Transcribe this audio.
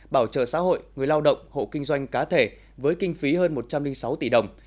bảo trợ xã hội người lao động hộ kinh doanh cá thể với kinh phí hơn một trăm linh sáu tỷ đồng